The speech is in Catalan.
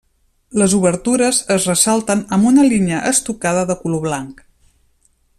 Les obertures es ressalten amb una línia estucada de color blanc.